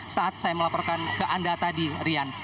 dua belas saat saya melaporkan ke anda tadi rian